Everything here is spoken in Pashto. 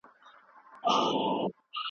موږ کولای سو کلتورونه سره پرتله کړو.